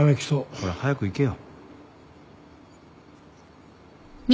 ほら早く行けよ。